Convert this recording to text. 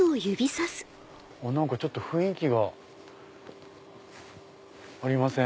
ちょっと雰囲気がありません？